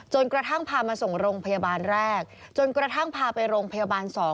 กระทั่งพามาส่งโรงพยาบาลแรกจนกระทั่งพาไปโรงพยาบาล๒